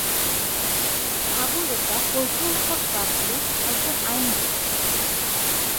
আবু রেজা ফজলুল হক বাবলু একজন আইনজীবী।